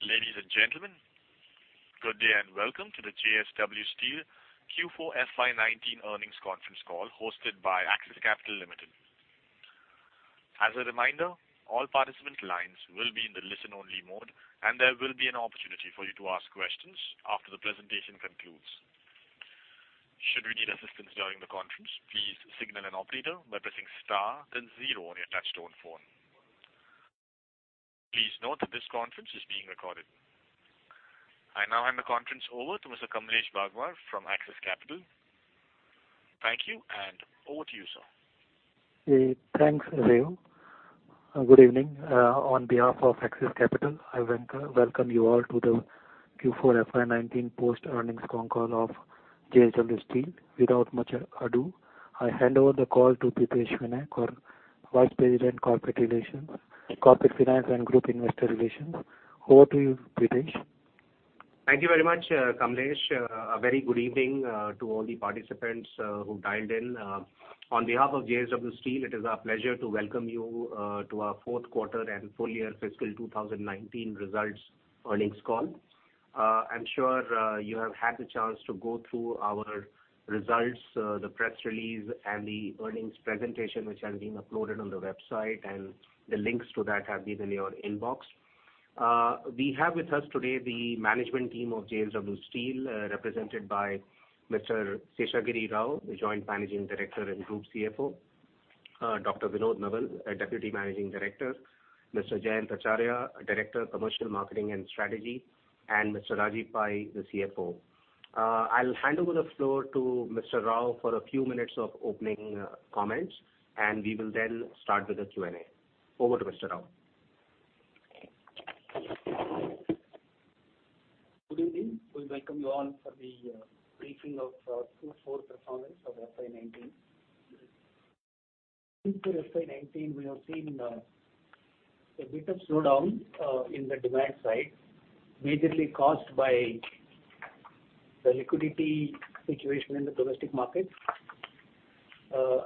Ladies and gentlemen, good day and welcome to the JSW Steel Q4 FY 2019 earnings conference call hosted by Axis Capital Limited. As a reminder, all participant lines will be in the listen-only mode, and there will be an opportunity for you to ask questions after the presentation concludes. Should you need assistance during the conference, please signal an operator by pressing star, then zero on your touchtone phone. Please note that this conference is being recorded. I now hand the conference over to Mr. Kamlesh Bajaj from Axis Capital. Thank you, and over to you, sir. Thanks, Jayant. Good evening. On behalf of Axis Capital, I welcome you all to the Q4FY19 post-earnings phone call of JSW Steel. Without much ado, I hand over the call to Pritesh Vinay, Vice President, Corporate Finance and Group Investor Relations. Over to you, Pritesh. Thank you very much, Kamlesh. A very good evening to all the participants who dialed in. On behalf of JSW Steel, it is our pleasure to welcome you to our fourth quarter and full year fiscal 2019 results earnings call. I'm sure you have had the chance to go through our results, the press release, and the earnings presentation, which has been uploaded on the website, and the links to that have been in your inbox. We have with us today the management team of JSW Steel, represented by Mr. Seshagiri Rao, the Joint Managing Director and Group CFO, Dr. Vinod Nowal, Deputy Managing Director, Mr. Jayant Acharya, Director, Commercial, Marketing, and Strategy, and Mr. Rajeev Pai, the CFO. I'll hand over the floor to Mr. Rao for a few minutes of opening comments, and we will then start with the Q&A. Over to Mr. Rao. Good evening. We welcome you all for the briefing of Q4 performance of FY2019. In Q4 FY2019, we have seen a bit of slowdown in the demand side, majorly caused by the liquidity situation in the domestic market.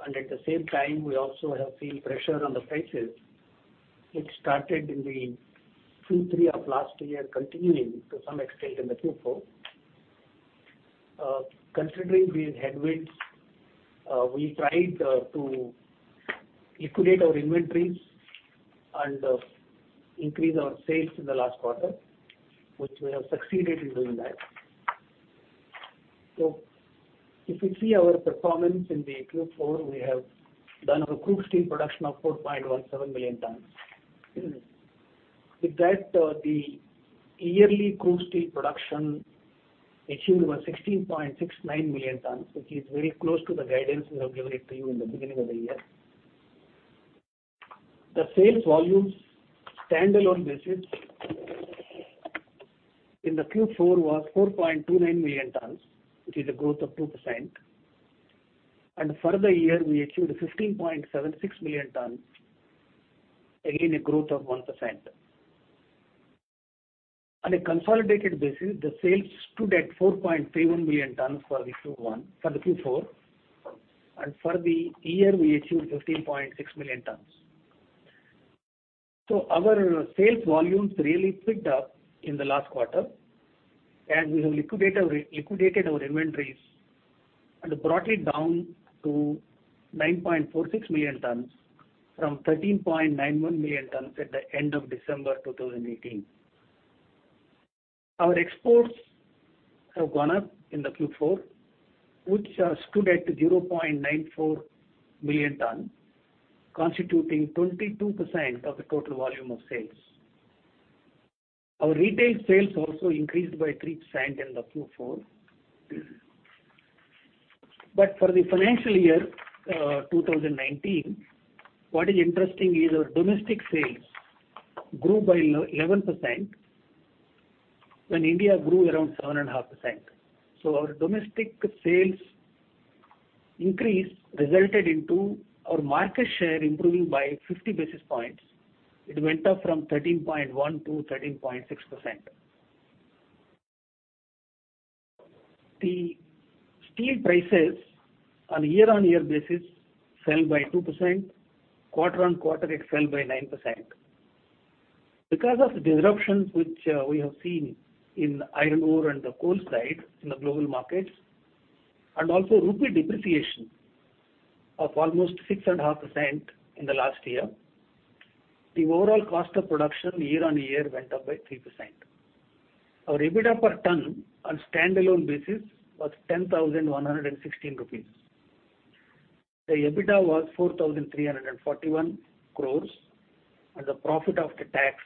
At the same time, we also have seen pressure on the prices, which started in the Q3 of last year, continuing to some extent in the Q4. Considering these headwinds, we tried to liquidate our inventories and increase our sales in the last quarter, which we have succeeded in doing. If you see our performance in the Q4, we have done our crude steel production of 4.17 million tons. With that, the yearly crude steel production achieved 16.69 million tons, which is very close to the guidance we have given to you in the beginning of the year. The sales volumes stand-alone basis in the Q4 was 4.29 million tons, which is a growth of 2%. For the year, we achieved 15.76 million tons, again a growth of 1%. On a consolidated basis, the sales stood at 4.31 million tons for the Q4, and for the year, we achieved 15.6 million tons. Our sales volumes really picked up in the last quarter as we have liquidated our inventories and brought it down to 9.46 million tons from 13.91 million tons at the end of December 2018. Our exports have gone up in the Q4, which stood at 0.94 million tons, constituting 22% of the total volume of sales. Our retail sales also increased by 3% in the Q4. For the financial year 2019, what is interesting is our domestic sales grew by 11% when India grew around 7.5%. Our domestic sales increase resulted in our market share improving by 50 basis points. It went up from 13.1% to 13.6%. The steel prices on a year-on-year basis fell by 2%. Quarter on quarter, it fell by 9%. Because of the disruptions which we have seen in iron ore and the coal side in the global markets, and also rupee depreciation of almost 6.5% in the last year, the overall cost of production year-on-year went up by 3%. Our EBITDA per ton on a stand-alone basis was 10,116 rupees. The EBITDA was 4,341, and the profit after tax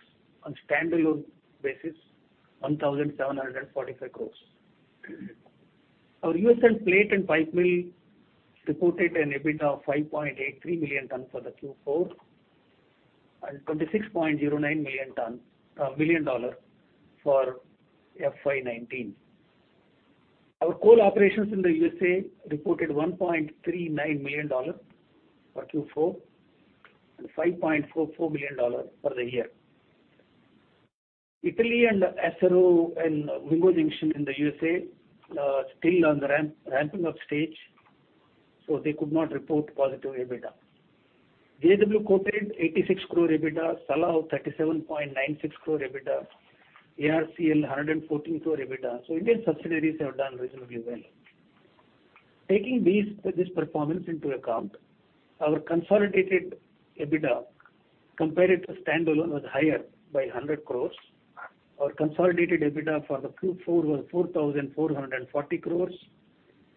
on a stand-alone basis was 1,745. Our US Plate and Pipe Mill reported an EBITDA of $5.83 million per ton for Q4 and $26.09 million for FY2019. Our coal operations in the USA reported $1.39 million for Q4 and $5.44 million for the year. Italy and Acero and Mingo Junction in the USA are still on the ramping-up stage, so they could not report positive EBITDA. JSW Coated 86 crore EBITDA, Salav 37.96 crore EBITDA, ARCL 114 crore EBITDA. Indian subsidiaries have done reasonably well. Taking this performance into account, our consolidated EBITDA compared to stand-alone was higher by 100 crore. Our consolidated EBITDA for Q4 was 4,440 crore,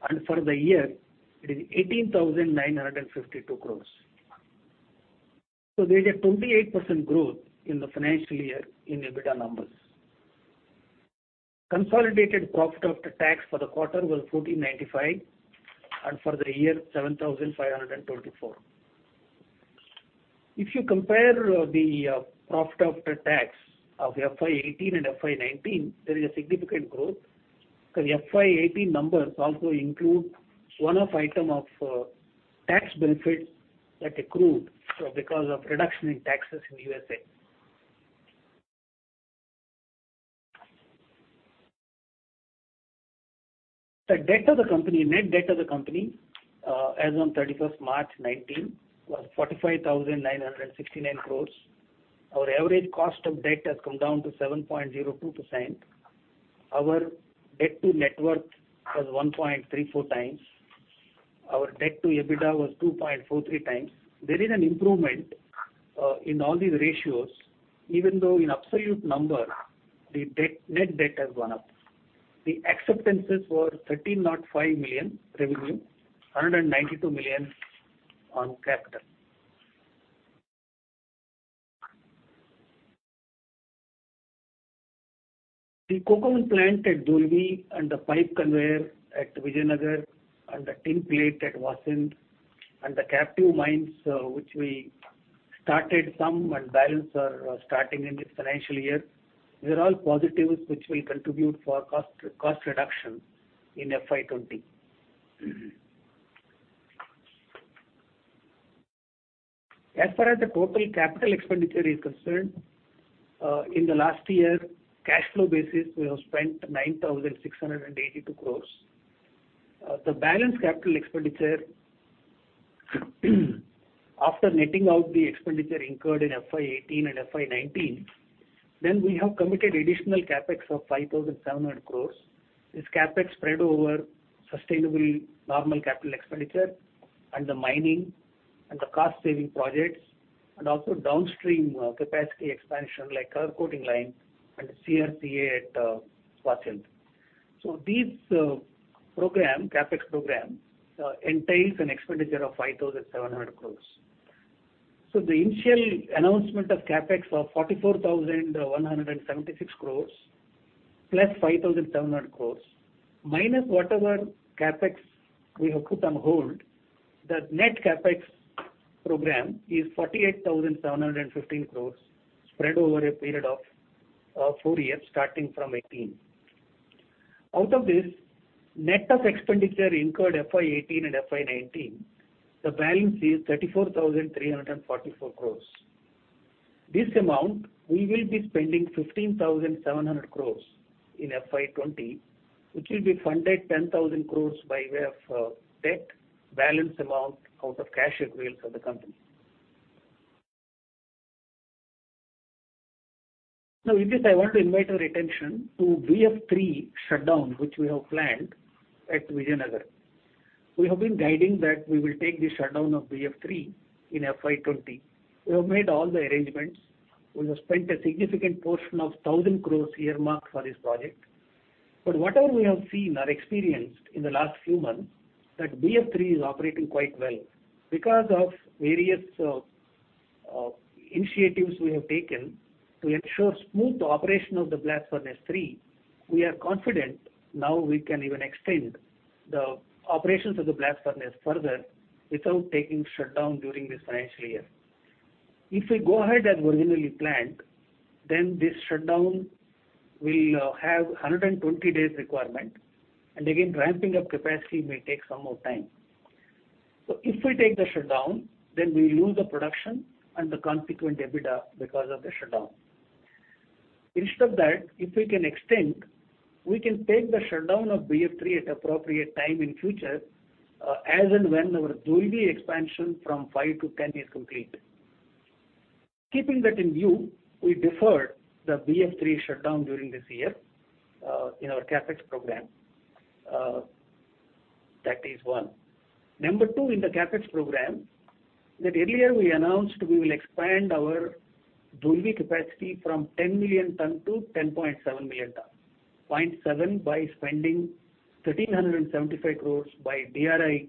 and for the year, it is 18,952 crore. There is a 28% growth in the financial year in EBITDA numbers. Consolidated profit after tax for the quarter was 1,495 crore, and for the year, 7,524 crore. If you compare the profit after tax of FY 2018 and FY 2019, there is a significant growth because FY 2018 numbers also include one-off item of tax benefits that accrued because of reduction in taxes in the USA. The debt of the company, net debt of the company as of 31 March 2019, was 45,969 crores. Our average cost of debt has come down to 7.02%. Our debt to net worth was 1.34 times. Our debt to EBITDA was 2.43 times. There is an improvement in all these ratios, even though in absolute number, the net debt has gone up. The acceptances were 13.5 million revenue, 192 million on capital. The coke oven plant at Dolvi and the pipe conveyor at Vijayanagar and the tin plate at Vasind and the captive mines, which we started some and balance are starting in this financial year, these are all positives which will contribute for cost reduction in FY20. As far as the total capital expenditure is concerned, in the last year, cash flow basis we have spent 9,682 crores. The balance capital expenditure, after netting out the expenditure incurred in FY 2018 and FY 2019, then we have committed additional CapEx of 5,700 crores. This CapEx spread over sustainable normal capital expenditure and the mining and the cost-saving projects and also downstream capacity expansion like color coating line and CRCA at Vasind. This program, CapEx program, entails an expenditure of 5,700 crores. The initial announcement of CapEx of 44,176 crores plus 5,700 crores, minus whatever CapEx we have put on hold, the net CapEx program is 48,715 crores spread over a period of four years starting from 2018. Out of this, net of expenditure incurred FY 2018 and FY 2019, the balance is 34,344 crores. This amount, we will be spending 15,700 crores in FY 2020, which will be funded 10,000 crores by way of debt balance amount out of cash accruals of the company. Now, with this, I want to invite your attention to BF3 shutdown, which we have planned at Vijayanagar. We have been guiding that we will take the shutdown of BF3 in FY2020. We have made all the arrangements. We have spent a significant portion of 1,000 crore year-mark for this project. Whatever we have seen or experienced in the last few months, BF3 is operating quite well. Because of various initiatives we have taken to ensure smooth operation of the blast furnace 3, we are confident now we can even extend the operations of the blast furnace further without taking shutdown during this financial year. If we go ahead as originally planned, this shutdown will have a 120-day requirement, and again, ramping-up capacity may take some more time. If we take the shutdown, we lose the production and the consequent EBITDA because of the shutdown. Instead of that, if we can extend, we can take the shutdown of BF3 at appropriate time in future as and when our Dolvi expansion from 5 to 10 is complete. Keeping that in view, we deferred the BF3 shutdown during this year in our CapEx program. That is one. Number two, in the CapEx program, that earlier we announced we will expand our Dolvi capacity from 10 million ton to 10.7 million ton, 0.7 by spending 1,375 crore by DRI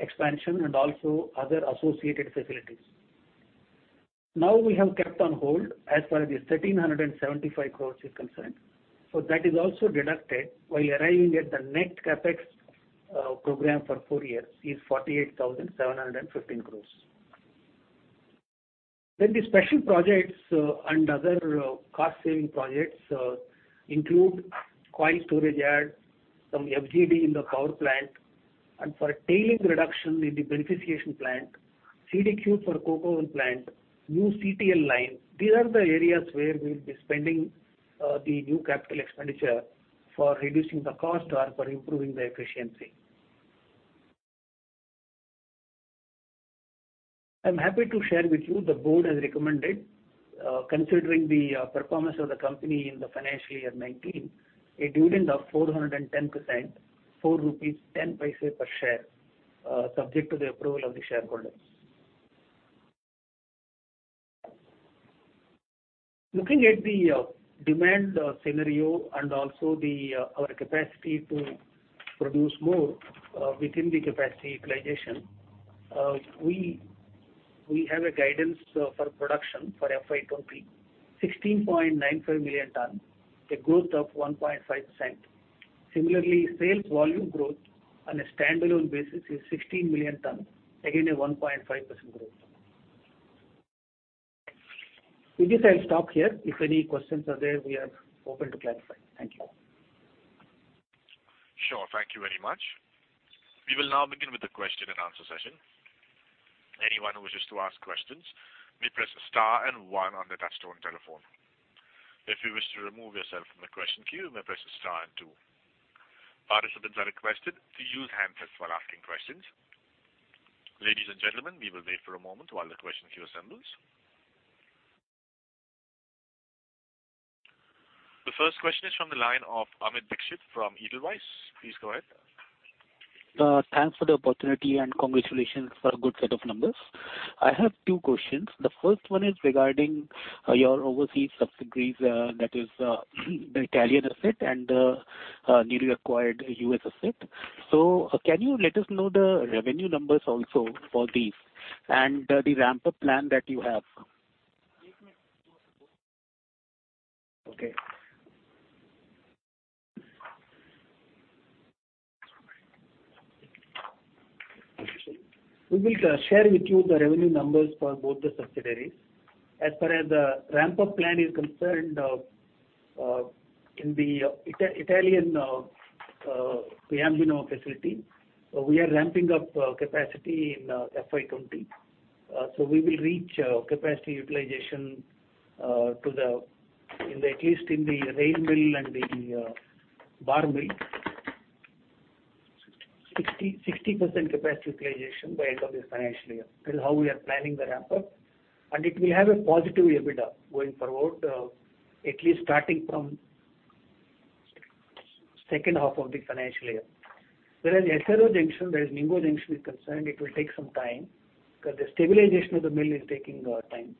expansion and also other associated facilities. Now we have kept on hold as far as this 1,375 crore is concerned. That is also deducted while arriving at the net CapEx program for four years is 48,715 crore. The special projects and other cost-saving projects include coil storage yard, some FGD in the power plant, and for tailings reduction in the beneficiation plant, CDQ for coke oven plant, new CTL line. These are the areas where we will be spending the new capital expenditure for reducing the cost or for improving the efficiency. I'm happy to share with you the board has recommended, considering the performance of the company in the financial year 2019, a dividend of 410%, 4.10 rupees per share, subject to the approval of the shareholders. Looking at the demand scenario and also our capacity to produce more within the capacity utilization, we have a guidance for production for FY 2020, 16.95 million ton, a growth of 1.5%. Similarly, sales volume growth on a stand-alone basis is 16 million ton, again a 1.5% growth. With this, I'll stop here. If any questions are there, we are open to clarify. Thank you. Sure. Thank you very much. We will now begin with the question and answer session. Anyone who wishes to ask questions may press star and one on the touchtone telephone. If you wish to remove yourself from the question queue, may press star and two. Participants are requested to use handsets while asking questions. Ladies and gentlemen, we will wait for a moment while the question queue assembles. The first question is from the line of Amit Dixit from Edelweiss. Please go ahead. Thanks for the opportunity and congratulations for a good set of numbers. I have two questions. The first one is regarding your overseas subsidiaries, that is the Italian asset and the newly acquired US asset. Can you let us know the revenue numbers also for these and the ramp-up plan that you have? Okay. We will share with you the revenue numbers for both the subsidiaries. As far as the ramp-up plan is concerned, in the Italian Piombino facility, we are ramping up capacity in FY2020. We will reach capacity utilization in at least the rebar mill and the bar mill, 60% capacity utilization by end of this financial year. That is how we are planning the ramp-up. It will have a positive EBITDA going forward, at least starting from the second half of the financial year. Whereas Mingo Junction is concerned, it will take some time because the stabilization of the mill is taking time.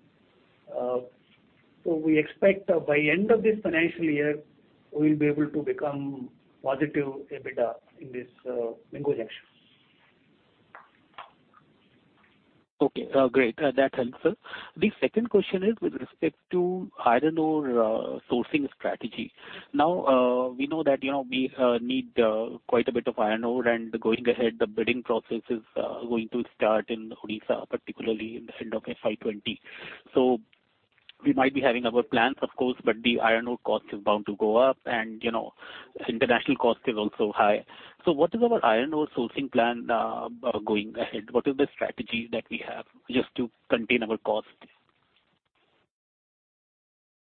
We expect by end of this financial year, we will be able to become positive EBITDA in this Mingo Junction. Okay. Great. That's helpful. The second question is with respect to iron ore sourcing strategy. Now, we know that we need quite a bit of iron ore, and going ahead, the bidding process is going to start in Odisha, particularly at the end of FY2020. We might be having our plans, of course, but the iron ore cost is bound to go up, and international cost is also high. What is our iron ore sourcing plan going ahead? What is the strategy that we have just to contain our cost?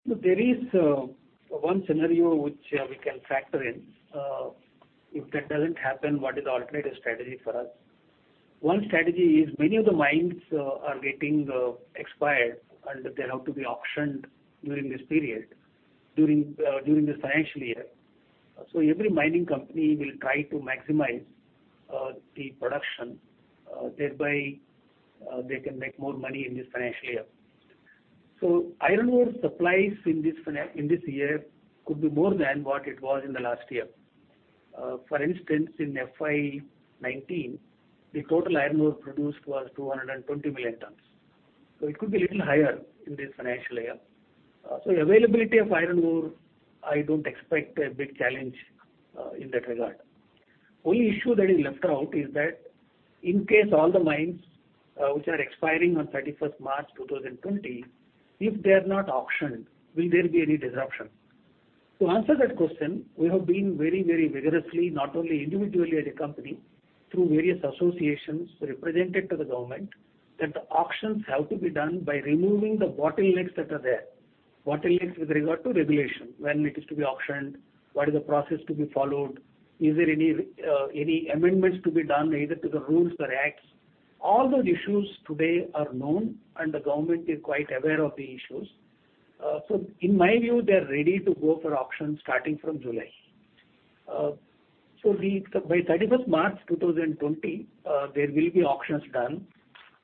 There is one scenario which we can factor in. If that doesn't happen, what is the alternative strategy for us? One strategy is many of the mines are getting expired, and they have to be auctioned during this period, during this financial year. Every mining company will try to maximize the production, thereby they can make more money in this financial year. Iron ore supplies in this year could be more than what it was in the last year. For instance, in FY2019, the total iron ore produced was 220 million ton. It could be a little higher in this financial year. Availability of iron ore, I don't expect a big challenge in that regard. Only issue that is left out is that in case all the mines which are expiring on 31st March 2020, if they are not auctioned, will there be any disruption? To answer that question, we have been very, very vigorously, not only individually as a company, through various associations represented to the government, that the auctions have to be done by removing the bottlenecks that are there, bottlenecks with regard to regulation, when it is to be auctioned, what is the process to be followed, is there any amendments to be done either to the rules or acts. All those issues today are known, and the government is quite aware of the issues. In my view, they are ready to go for auction starting from July. By 31st March 2020, there will be auctions done,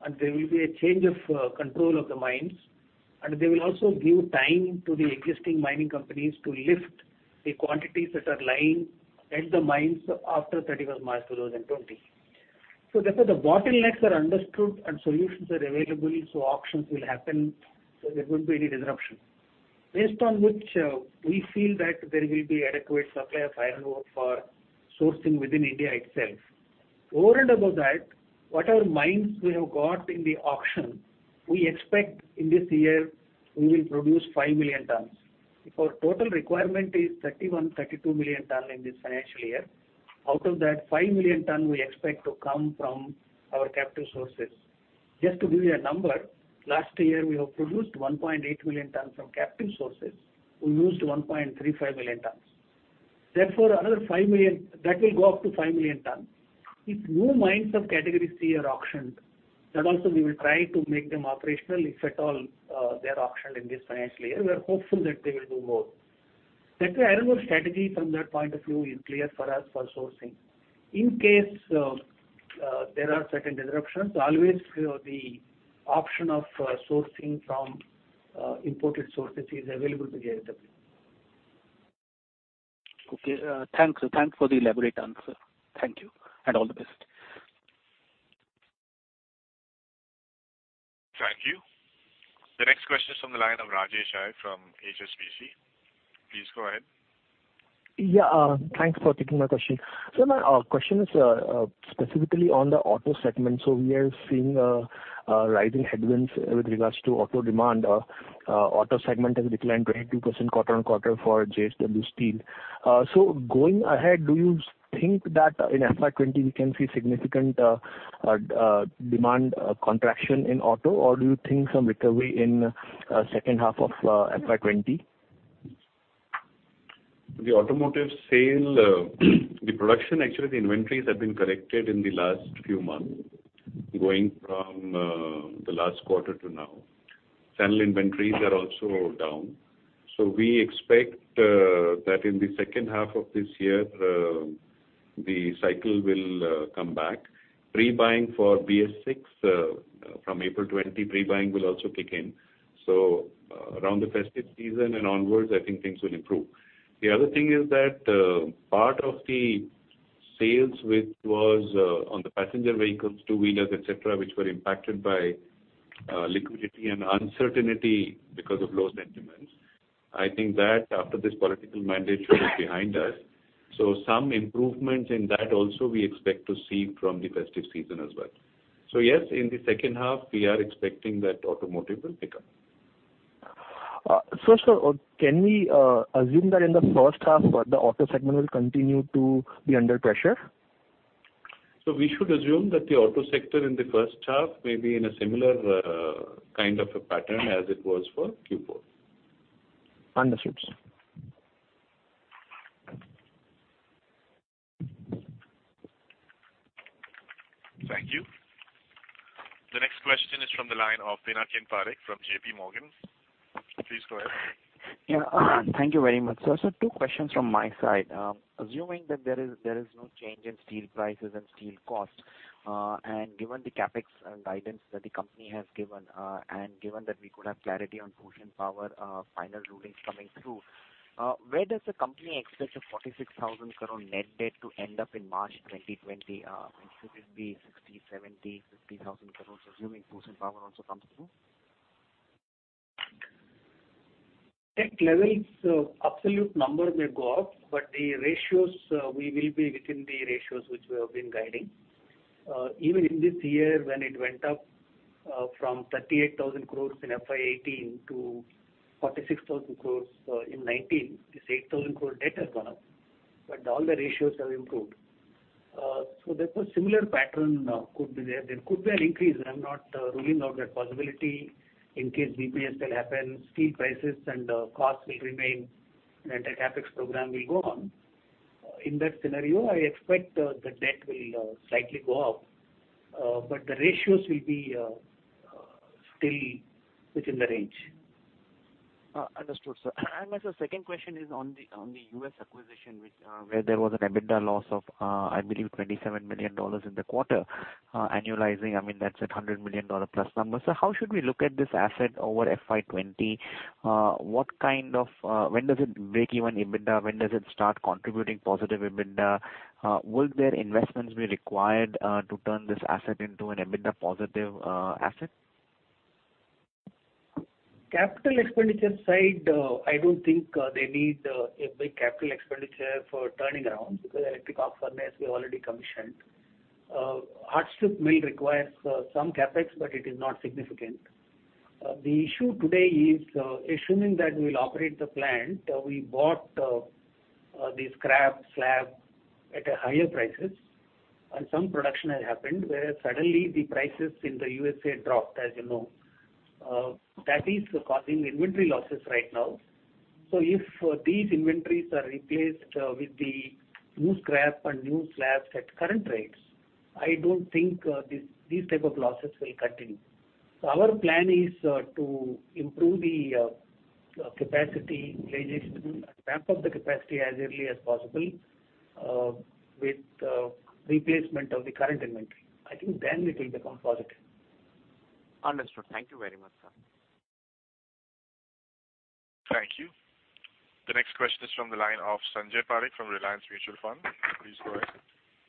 and there will be a change of control of the mines, and they will also give time to the existing mining companies to lift the quantities that are lying at the mines after 31st March 2020. Therefore, the bottlenecks are understood, and solutions are available, so auctions will happen, so there will not be any disruption, based on which we feel that there will be adequate supply of iron ore for sourcing within India itself. Over and above that, whatever mines we have got in the auction, we expect in this year we will produce 5 million ton. If our total requirement is 31 million-32 million ton in this financial year, out of that, 5 million ton we expect to come from our captive sources. Just to give you a number, last year we have produced 1.8 million ton from captive sources. We used 1.35 million ton. Therefore, another 5 million that will go up to 5 million ton. If new mines of category C are auctioned, then also we will try to make them operational if at all they are auctioned in this financial year. We are hopeful that they will do more. That way, iron ore strategy from that point of view is clear for us for sourcing. In case there are certain disruptions, always the option of sourcing from imported sources is available to JSW. Okay. Thanks. Thanks for the elaborate answer. Thank you. All the best. Thank you. The next question is from the line of Rajesh from HSBC. Please go ahead. Yeah. Thanks for taking my question. My question is specifically on the auto segment. We are seeing rising headwinds with regards to auto demand. Auto segment has declined 22% quarter on quarter for JSW Steel. Going ahead, do you think that in FY2020 we can see significant demand contraction in auto, or do you think some recovery in the second half of FY2020? The automotive sale, the production, actually, the inventories have been corrected in the last few months going from the last quarter to now. Channel inventories are also down. We expect that in the second half of this year, the cycle will come back. Pre-buying for BS-VI from April 2020, pre-buying will also kick in. Around the festive season and onwards, I think things will improve. The other thing is that part of the sales which was on the passenger vehicles, two-wheelers, etc., which were impacted by liquidity and uncertainty because of low sentiments, I think that after this political mandate should be behind us. Some improvements in that also we expect to see from the festive season as well. Yes, in the second half, we are expecting that automotive will pick up. Can we assume that in the first half, the auto segment will continue to be under pressure? We should assume that the auto sector in the first half may be in a similar kind of a pattern as it was for Q4. Understood. Thank you. The next question is from the line of Pinakin Parekh from JPMorgan. Please go ahead. Yeah. Thank you very much. Two questions from my side. Assuming that there is no change in steel prices and steel cost, and given the CapEx guidance that the company has given, and given that we could have clarity on Bhushan Power, final rulings coming through, where does the company expect the 46,000 net debt to end up in March 2020? Should it be 60,000, 70,000, 50,000, assuming Bhushan Power also comes through? Tech levels, absolute number may go up, but the ratios, we will be within the ratios which we have been guiding. Even in this year, when it went up from 38,000 in FY 2018 to 46,000 in 2019, this 8,000 debt has gone up. All the ratios have improved. There is a similar pattern that could be there. There could be an increase. I'm not ruling out that possibility. In case BPSL happens, steel prices and costs will remain, and the CapEx program will go on. In that scenario, I expect the debt will slightly go up, but the ratios will be still within the range. Understood. My second question is on the US acquisition, where there was an EBITDA loss of, I believe, $27 million in the quarter. Annualizing, I mean, that's a $100 million plus number. How should we look at this asset over FY2020? What kind of, when does it break even EBITDA? When does it start contributing positive EBITDA? Will there investments be required to turn this asset into an EBITDA positive asset? Capital expenditure side, I do not think they need a big capital expenditure for turning around because electric arc furnaces we have already commissioned. Hot Strip Mill requires some CapEx, but it is not significant. The issue today is, assuming that we will operate the plant, we bought the scrap slab at a higher price, and some production has happened, where suddenly the prices in the US dropped, as you know. That is causing inventory losses right now. If these inventories are replaced with the new scrap and new slabs at current rates, I do not think these types of losses will continue. Our plan is to improve the capacity ramp-up capacity as early as possible with replacement of the current inventory. I think then it will become positive. Understood. Thank you very much, sir. Thank you. The next question is from the line of Sanjay Parekh from Reliance Mutual Fund. Please go ahead.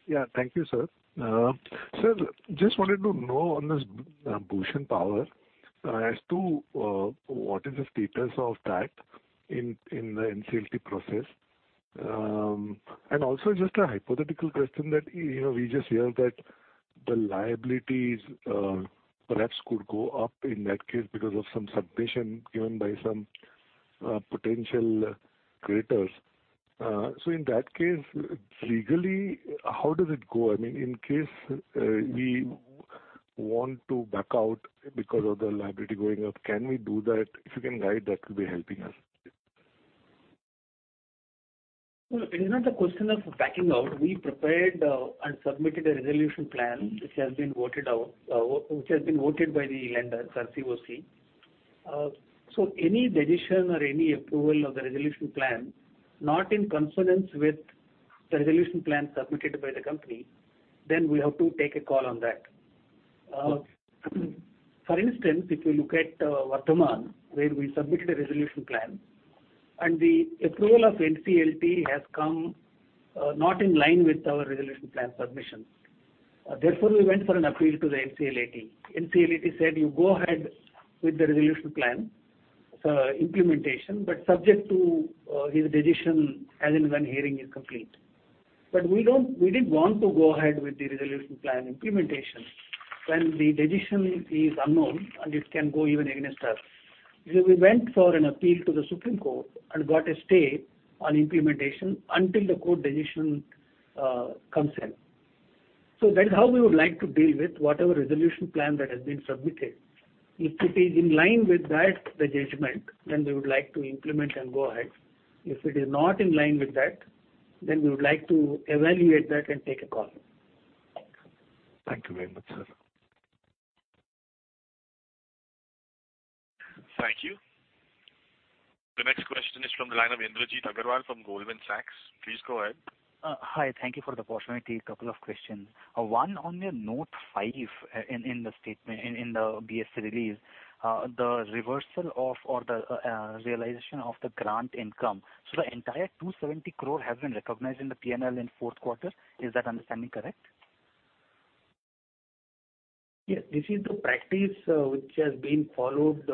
Yeah. Thank you, sir. Sir, just wanted to know on this BPSL, as to what is the status of that in the NCLT process? Also, just a hypothetical question that we just heard that the liabilities perhaps could go up in that case because of some submission given by some potential creditors. In that case, legally, how does it go? I mean, in case we want to back out because of the liability going up, can we do that? If you can guide, that will be helping us. In the question of backing out, we prepared and submitted a resolution plan which has been voted out, which has been voted by the lender, CoC. Any decision or any approval of the resolution plan, not in consonance with the resolution plan submitted by the company, then we have to take a call on that. For instance, if you look at Vardhman, where we submitted a resolution plan, and the approval of NCLT has come not in line with our resolution plan submission. Therefore, we went for an appeal to the NCLAT. NCLAT said, "You go ahead with the resolution plan implementation, but subject to his decision as and when hearing is complete." We did not want to go ahead with the resolution plan implementation when the decision is unknown, and it can go even against us. We went for an appeal to the Supreme Court and got a stay on implementation until the court decision comes in. That is how we would like to deal with whatever resolution plan that has been submitted. If it is in line with that judgment, then we would like to implement and go ahead. If it is not in line with that, then we would like to evaluate that and take a call. Thank you very much, sir. Thank you. The next question is from the line of Indrajit Agarwal from Goldman Sachs. Please go ahead. Hi. Thank you for the opportunity. A couple of questions. One on the note five in the BSE release, the reversal of or the realization of the grant income. So the entire 270 crore has been recognized in the P&L in fourth quarter. Is that understanding correct? Yes. This is the practice which has been followed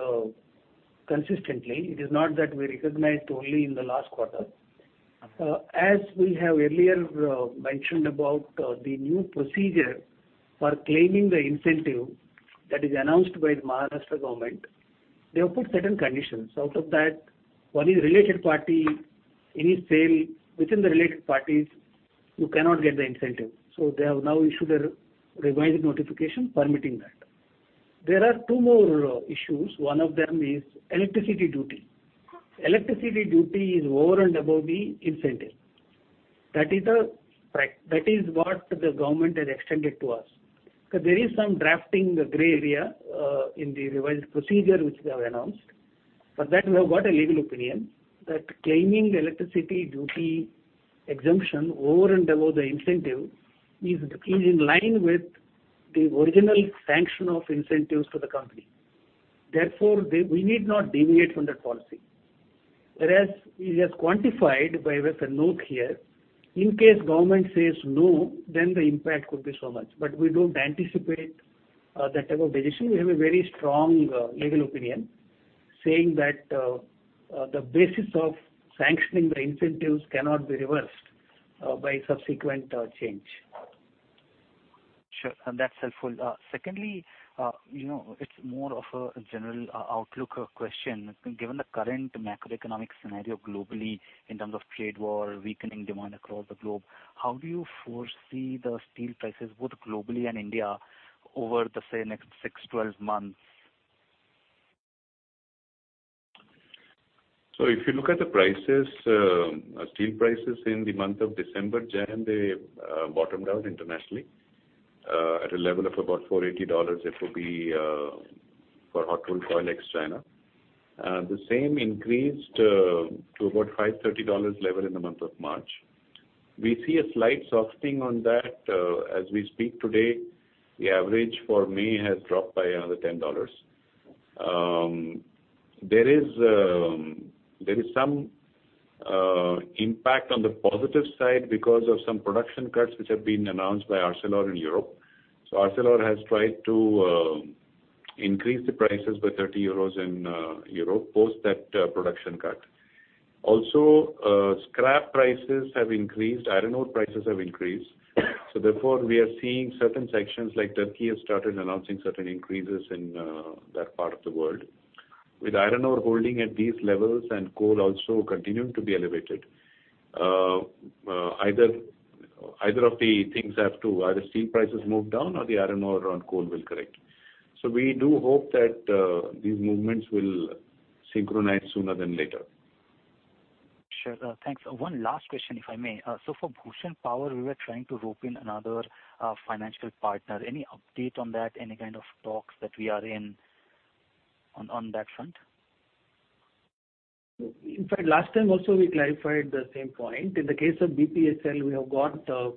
consistently. It is not that we recognized only in the last quarter. As we have earlier mentioned about the new procedure for claiming the incentive that is announced by the Maharashtra government, they have put certain conditions. Out of that, one is related party. Any sale within the related parties, you cannot get the incentive. They have now issued a revised notification permitting that. There are two more issues. One of them is electricity duty. Electricity duty is over and above the incentive. That is what the government has extended to us. There is some drafting gray area in the revised procedure which they have announced. For that, we have got a legal opinion that claiming electricity duty exemption over and above the incentive is in line with the original sanction of incentives to the company. Therefore, we need not deviate from that policy. Whereas it is quantified by a note here, in case government says no, then the impact could be so much. We do not anticipate that type of decision. We have a very strong legal opinion saying that the basis of sanctioning the incentives cannot be reversed by subsequent change. Sure. That's helpful. Secondly, it's more of a general outlook question. Given the current macroeconomic scenario globally in terms of trade war, weakening demand across the globe, how do you foresee the steel prices both globally and India over the, say, next 6 to 12 months? If you look at the prices, steel prices in the month of December, Jayant, they bottomed out internationally at a level of about $480 for hot rolled coil, ex-China. The same increased to about $530 level in the month of March. We see a slight softening on that. As we speak today, the average for May has dropped by another $10. There is some impact on the positive side because of some production cuts which have been announced by ArcelorMittal in Europe. ArcelorMittal has tried to increase the prices by 30 euros in Europe post that production cut. Also, scrap prices have increased. Iron ore prices have increased. Therefore, we are seeing certain sections like Turkey have started announcing certain increases in that part of the world, with iron ore holding at these levels and coal also continuing to be elevated. Either of the things have to either steel prices move down or the iron ore on coal will correct. We do hope that these movements will synchronize sooner than later. Sure. Thanks. One last question, if I may. For Bhushan Power and Steel Ltd., we were trying to rope in another financial partner. Any update on that, any kind of talks that we are in on that front? In fact, last time also, we clarified the same point. In the case of BPSL, we have got the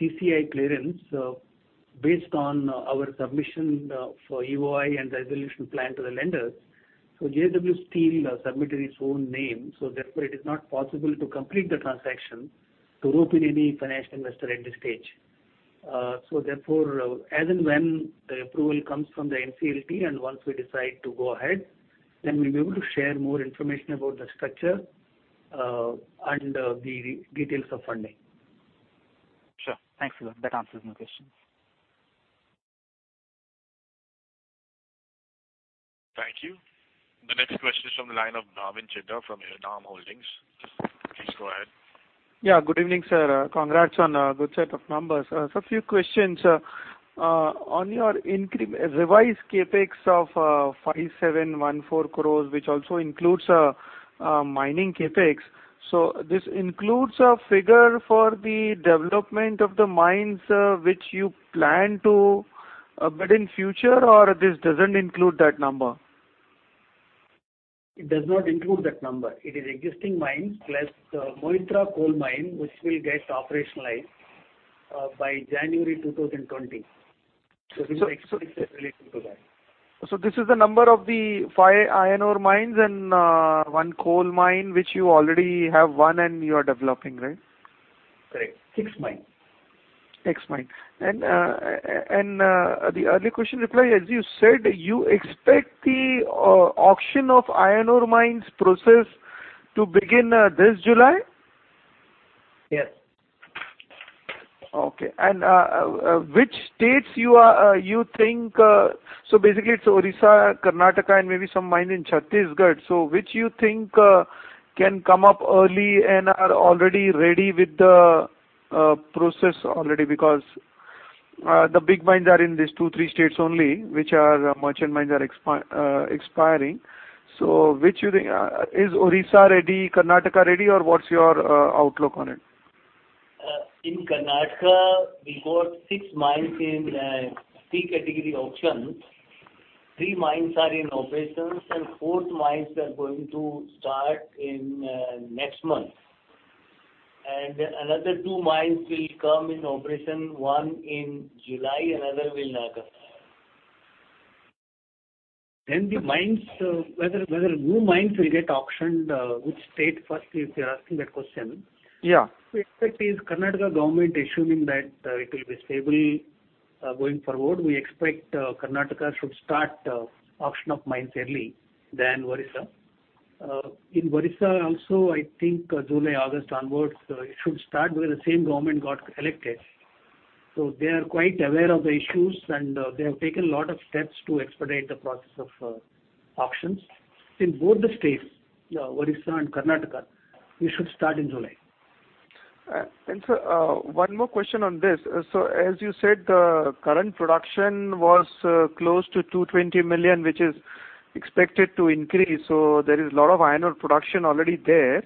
CCI clearance based on our submission for EOI and resolution plan to the lenders. JSW Steel submitted its own name. Therefore, it is not possible to complete the transaction, to rope in any financial investor at this stage. As and when the approval comes from the NCLT and once we decide to go ahead, we will be able to share more information about the structure and the details of funding. Sure. Thanks for that. That answers my questions. Thank you. The next question is from the line of Bhavin Chheda from Enam Holdings. Please go ahead. Yeah. Good evening, sir. Congrats on a good set of numbers. A few questions. On your revised CapEx of 5,714 crore, which also includes mining CapEx, does this include a figure for the development of the mines which you plan to bid in future, or does this not include that number? It does not include that number. It is existing mines plus Moitra coal mine, which will get operationalized by January 2020. This is the expenses related to that. This is the number of the five iron ore mines and one coal mine which you already have one and you are developing, right? Correct. Six mines. Six mines. The early question reply, as you said, you expect the auction of iron ore mines process to begin this July? Yes. Okay. Which states do you think, so basically, it's Odisha, Karnataka, and maybe some mine in Chhattisgarh. Which do you think can come up early and are already ready with the process already? Because the big mines are in these two, three states only, which are merchant mines that are expiring. Which do you think is Odisha ready, Karnataka ready, or what's your outlook on it? In Karnataka, we got six mines in C category auction. Three mines are in operations, the fourth mine is going to start next month. Another two mines will come in operation, one in July, another will in August. The mines, whether new mines will get auctioned, which state first, if you're asking that question? Yeah. We expect, if the Karnataka government, assuming that it will be stable going forward, we expect Karnataka should start auction of mines earlier than Odisha. In Odisha also, I think July-August onwards, it should start because the same government got elected. They are quite aware of the issues, and they have taken a lot of steps to expedite the process of auctions. In both the states, Odisha and Karnataka, we should start in July. Sir, one more question on this. As you said, the current production was close to 220 million, which is expected to increase. There is a lot of iron ore production already there.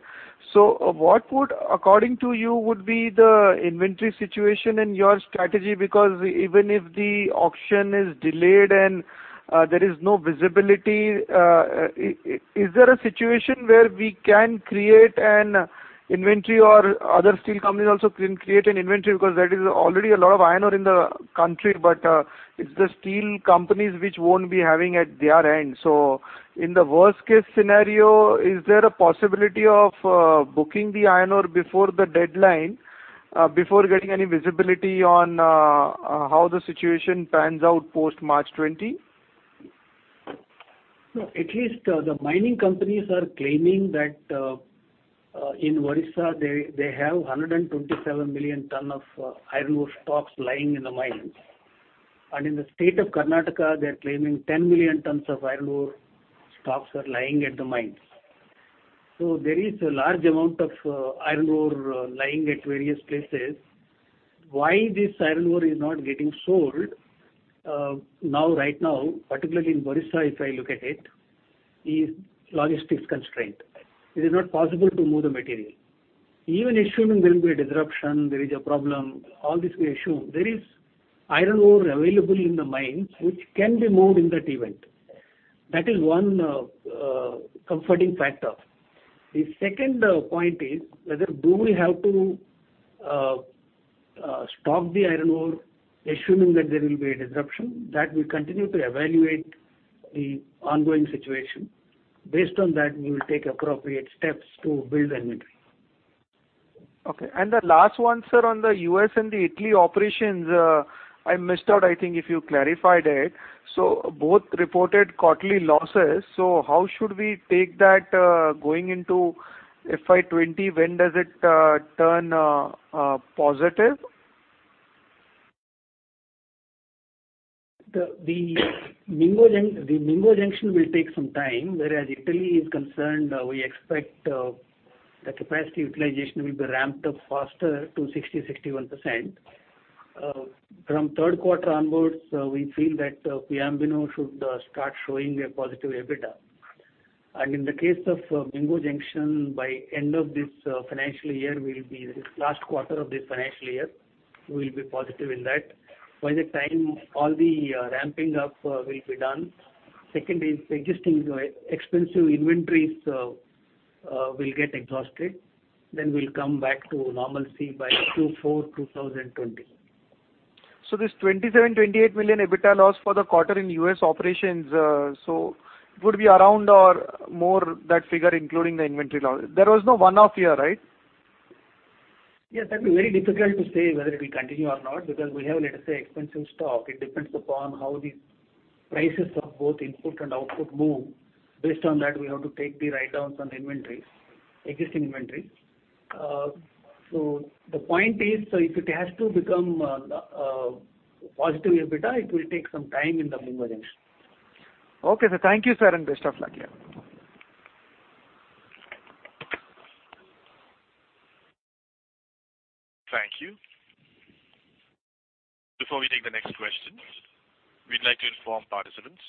What would, according to you, be the inventory situation and your strategy? Because even if the auction is delayed and there is no visibility, is there a situation where we can create an inventory or other steel companies also can create an inventory because there is already a lot of iron ore in the country, but it is the steel companies which will not be having at their end? In the worst-case scenario, is there a possibility of booking the iron ore before the deadline, before getting any visibility on how the situation pans out post-March 20? No. At least the mining companies are claiming that in Odisha, they have 127 million tons of iron ore stocks lying in the mines. In the state of Karnataka, they're claiming 10 million tons of iron ore stocks are lying at the mines. There is a large amount of iron ore lying at various places. Why this iron ore is not getting sold now, right now, particularly in Odisha, if I look at it, is logistics constraint. It is not possible to move the material. Even assuming there will be a disruption, there is a problem. All this we assume. There is iron ore available in the mines which can be moved in that event. That is one comforting factor. The second point is, whether do we have to stock the iron ore, assuming that there will be a disruption, that we continue to evaluate the ongoing situation. Based on that, we will take appropriate steps to build inventory. Okay. The last one, sir, on the US and the Italy operations, I missed out, I think, if you clarified it. Both reported quarterly losses. How should we take that going into FY 2020? When does it turn positive? The Mingo Junction will take some time. Whereas Italy is concerned, we expect the capacity utilization will be ramped up faster to 60-61%. From third quarter onwards, we feel that Piombino should start showing a positive EBITDA. In the case of Mingo Junction, by end of this financial year, last quarter of this financial year, we will be positive in that. By the time all the ramping up will be done, second is existing expensive inventories will get exhausted. We will come back to normalcy by Q4 2020. 27 million-28 million EBITDA loss for the quarter in US operations, it would be around or more than that figure including the inventory loss. There was no one-off here, right? Yes. That will be very difficult to say whether it will continue or not because we have, let us say, expensive stock. It depends upon how these prices of both input and output move. Based on that, we have to take the write-downs on the inventories, existing inventories. The point is, if it has to become positive EBITDA, it will take some time in the Mingo Junction. Okay. Thank you, sir, and best of luck. Yeah. Thank you. Before we take the next questions, we'd like to inform participants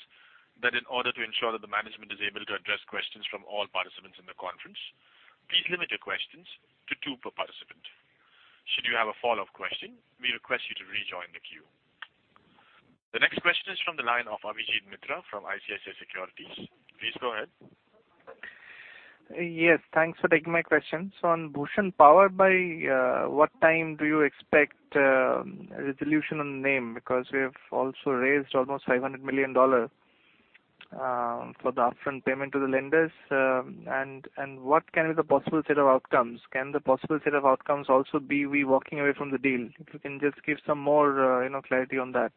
that in order to ensure that the management is able to address questions from all participants in the conference, please limit your questions to two per participant. Should you have a follow-up question, we request you to rejoin the queue. The next question is from the line of Abhijit Mitra from ICICI Securities. Please go ahead. Yes. Thanks for taking my question. On Bhushan Power, by what time do you expect resolution on the name? Because we have also raised almost $500 million for the upfront payment to the lenders. What can be the possible set of outcomes? Can the possible set of outcomes also be we walking away from the deal? If you can just give some more clarity on that.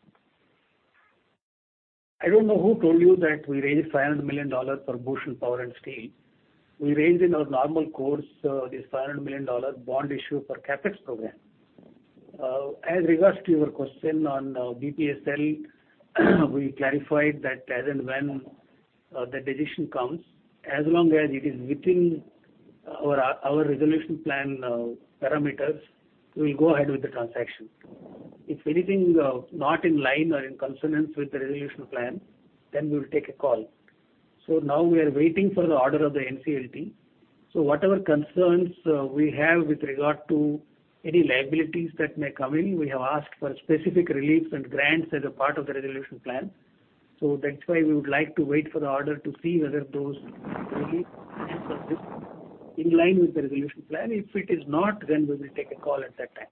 I don't know who told you that we raised $500 million for Bhushan Power and Steel. We raised in our normal course this $500 million bond issue for CapEx program. As regards to your question on BPSL, we clarified that as and when the decision comes, as long as it is within our resolution plan parameters, we will go ahead with the transaction. If anything not in line or in consonance with the resolution plan, then we will take a call. We are waiting for the order of the NCLT. Whatever concerns we have with regard to any liabilities that may come in, we have asked for specific reliefs and grants as a part of the resolution plan. That is why we would like to wait for the order to see whether those reliefs and subsidies are in line with the resolution plan. If it is not, then we will take a call at that time.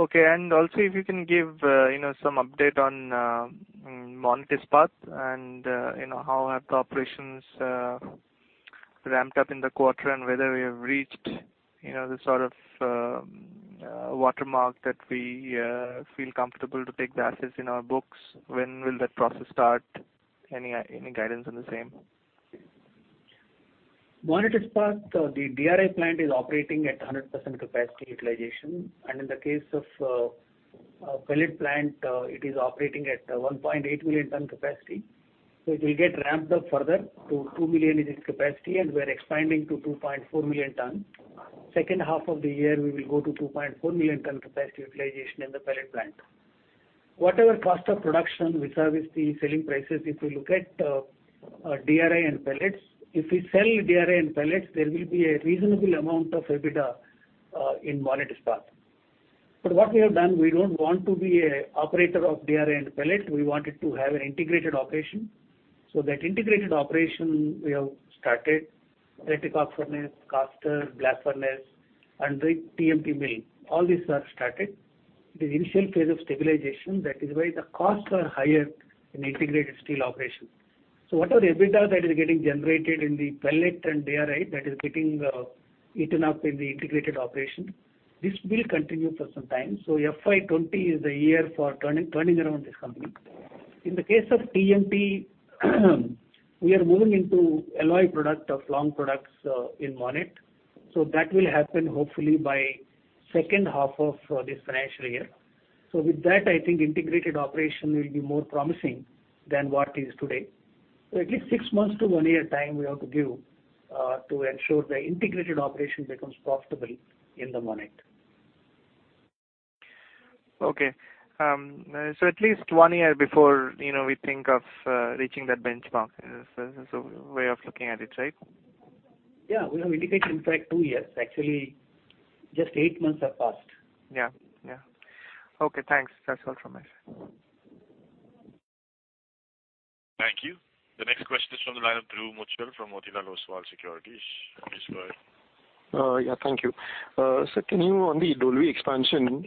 Okay. If you can give some update on Monnet Ispat and how have the operations ramped up in the quarter and whether we have reached the sort of watermark that we feel comfortable to take the assets in our books, when will that process start? Any guidance on the same? Monnet Ispat, the DRI plant is operating at 100% capacity utilization. In the case of the Pellet Plant, it is operating at 1.8 million ton capacity. It will get ramped up further to 2 million in its capacity, and we are expanding to 2.4 million ton. Second half of the year, we will go to 2.4 million ton capacity utilization in the Pellet Plant. Whatever cost of production, we service the selling prices if we look at DRI and pellets. If we sell DRI and pellets, there will be a reasonable amount of EBITDA in Monnet Ispat. What we have done, we do not want to be an operator of DRI and pellet. We wanted to have an integrated operation. That integrated operation, we have started electric arc furnace, caster, blast furnace, and TMT mill. All these are started. It is the initial phase of stabilization. That is why the costs are higher in integrated steel operation. Whatever EBITDA that is getting generated in the pellet and DRI, that is getting eaten up in the integrated operation. This will continue for some time. FY 2020 is the year for turning around this company. In the case of TMT, we are moving into alloy product of long products in Monnet. That will happen, hopefully, by second half of this financial year. With that, I think integrated operation will be more promising than what is today. At least six months to one year time, we have to give to ensure the integrated operation becomes profitable in the Monnet. Okay. At least one year before we think of reaching that benchmark. That's a way of looking at it, right? Yeah. We have indicated, in fact, two years. Actually, just 8 months have passed. Okay thanks that is all from my side. Thank you. The next question is from the line of Dhruv Muchhal from Motilal Oswal Securities. Please go ahead. Yeah. Thank you. Sir, can you on the Dolvi expansion,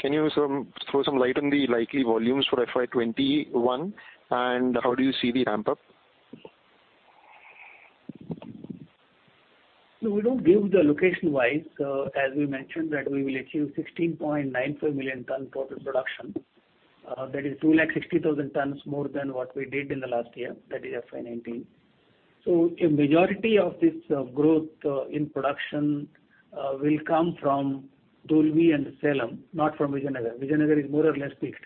can you throw some light on the likely volumes for FY 2021, and how do you see the ramp-up? We do not give the location-wise. As we mentioned, we will achieve 16.95 million ton total production. That is 260,000 tons more than what we did in the last year. That is FY 2019. A majority of this growth in production will come from Dolvi and Salem, not from Vijayanagar. Vijayanagar is more or less peaked.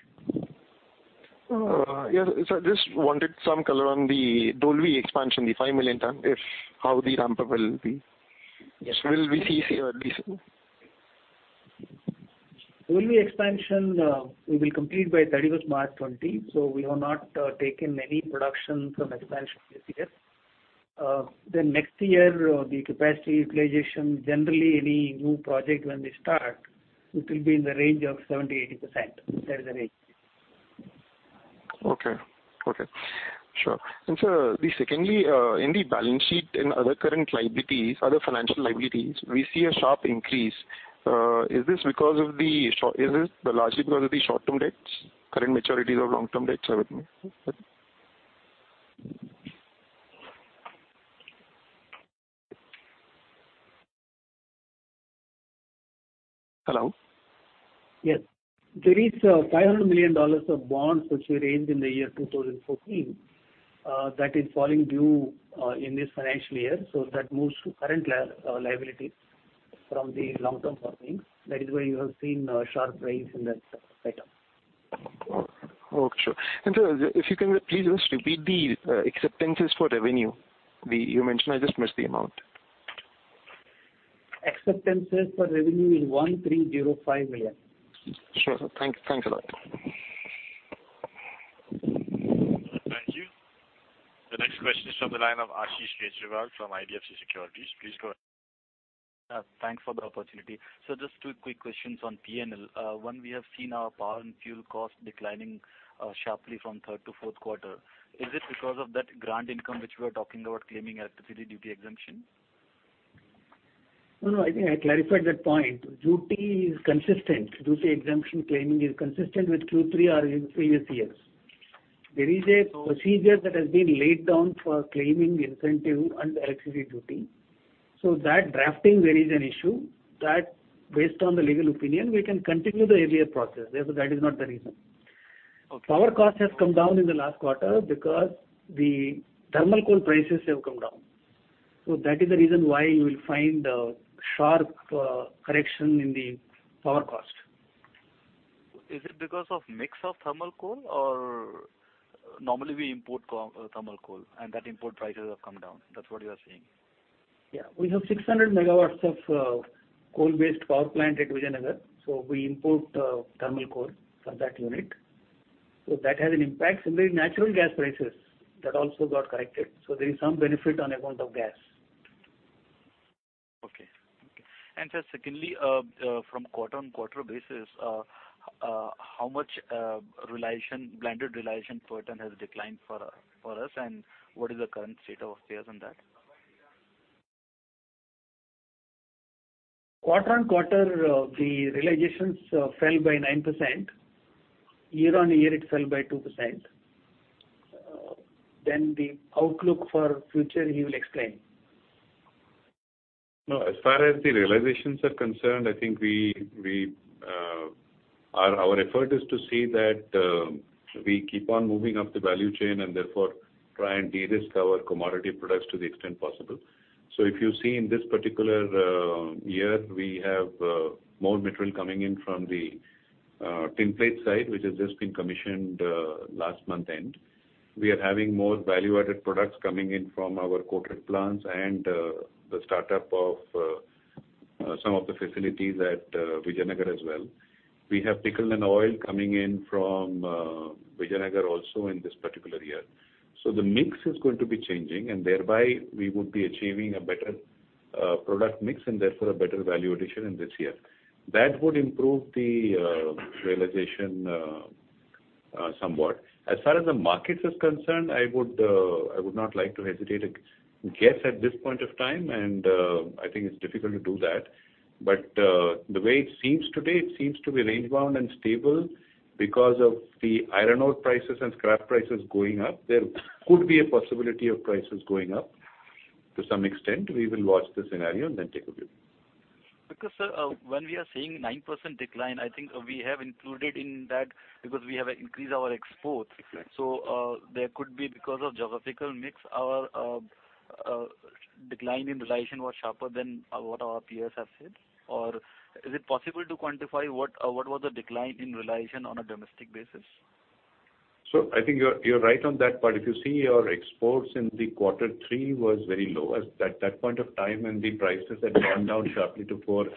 Yeah. Sir, just wanted some color on the Dolvi expansion, the 5 million ton, if how the ramp-up will be. Dolvi expansion, we will complete by 31st March 2020. We have not taken any production from expansion this year. Next year, the capacity utilization, generally, any new project when we start, it will be in the range of 70-80%. That is the rate. Okay. Okay. Sure. Sir, secondly, in the balance sheet and other current liabilities, other financial liabilities, we see a sharp increase. Is this because of the, is this largely because of the short-term debts, current maturities of long-term debts? Hello? Yes. There is $500 million of bonds which we raised in the year 2014 that is falling due in this financial year. That moves to current liabilities from the long-term holdings. That is why you have seen a sharp rise in that item. Okay. Sure. Sir, if you can please just repeat the acceptances for revenue. You mentioned I just missed the amount. Acceptances for revenue is $1,305 million. Sure. Thanks a lot. Thank you. The next question is from the line of Ashish Kejriwal from IDFC Securities. Please go ahead. Thanks for the opportunity. Sir, just two quick questions on P&L. One, we have seen our power and fuel costs declining sharply from third to fourth quarter. Is it because of that grant income which we are talking about claiming electricity duty exemption? No, no. I think I clarified that point. Duty is consistent. Duty exemption claiming is consistent with Q3 or previous years. There is a procedure that has been laid down for claiming incentive and electricity duty. That drafting, there is an issue that based on the legal opinion, we can continue the earlier process. Therefore, that is not the reason. Power cost has come down in the last quarter because the thermal coal prices have come down. That is the reason why you will find a sharp correction in the power cost. Is it because of mix of thermal coal or normally we import thermal coal and that import prices have come down? That's what you are saying. Yeah. We have 600 megawatts of coal-based power plant at Vijayanagar. We import thermal coal for that unit. That has an impact. Similarly, natural gas prices, that also got corrected. There is some benefit on account of gas. Okay. Okay. Sir, secondly, from quarter-on-quarter basis, how much blended realization per ton has declined for us, and what is the current state of affairs on that? Quarter-on-quarter, the realizations fell by 9%. Year-on-year, it fell by 2%. The outlook for future, he will explain. No, as far as the realizations are concerned, I think our effort is to see that we keep on moving up the value chain and therefore try and de-risk our commodity products to the extent possible. If you see in this particular year, we have more material coming in from the tin plate side, which has just been commissioned last month end. We are having more value-added products coming in from our quarter plants and the startup of some of the facilities at Vijayanagar as well. We have Pickled and Oiled coming in from Vijayanagar also in this particular year. The mix is going to be changing, and thereby, we would be achieving a better product mix and therefore a better value addition in this year. That would improve the realization somewhat. As far as the markets are concerned, I would not like to hesitate to guess at this point of time, and I think it's difficult to do that. The way it seems today, it seems to be range-bound and stable because of the iron ore prices and scrap prices going up. There could be a possibility of prices going up to some extent. We will watch the scenario and then take a view. Because, sir, when we are seeing 9% decline, I think we have included in that because we have increased our exports. There could be, because of geographical mix, our decline in realization was sharper than what our peers have said. Is it possible to quantify what was the decline in realization on a domestic basis? Sir, I think you're right on that part. If you see our exports in quarter three, it was very low at that point of time, and the prices had gone down sharply to $480